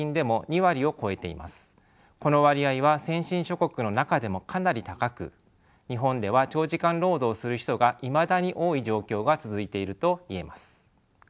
この割合は先進諸国の中でもかなり高く日本では長時間労働をする人がいまだに多い状況が続いていると言えます。